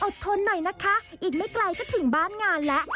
ทนหน่อยนะคะอีกไม่ไกลก็ถึงบ้านงานแล้ว